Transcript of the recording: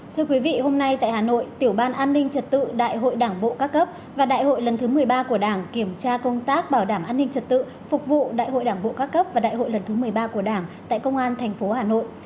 thưa quý vị hôm nay tại hà nội tiểu ban an ninh trật tự đại hội đảng bộ các cấp và đại hội lần thứ một mươi ba của đảng kiểm tra công tác bảo đảm an ninh trật tự phục vụ đại hội đảng bộ các cấp và đại hội lần thứ một mươi ba của đảng tại công an thành phố hà nội